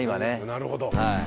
なるほど。